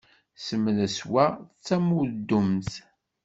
Semres wa d tamudemt!